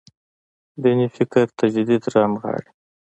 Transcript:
دیني فکر تجدید رانغاړي.